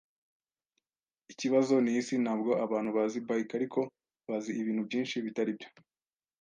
Ikibazo nisi ntabwo abantu bazi bike, ariko bazi ibintu byinshi bitaribyo.